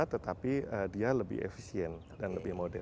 tetapi dia lebih efisien dan lebih modern